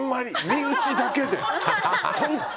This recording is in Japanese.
身内だけで！